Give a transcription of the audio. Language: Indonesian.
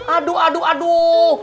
aduh aduh aduh